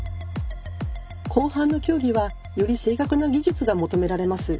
後半の競技はより正確な技術が求められます。